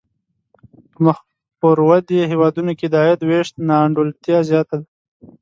په مخ پر ودې هېوادونو کې د عاید وېش نا انډولتیا زیاته ده.